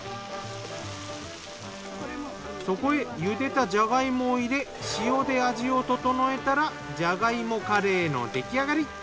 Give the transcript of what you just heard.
そこへゆでたじゃが芋を入れ塩で味を調えたらじゃが芋カレーの出来上がり。